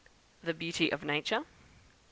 The Beauty of Nature; 2.